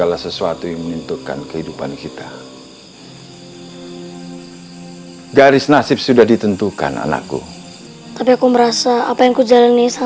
biasanya tidak menikmati indahnya hari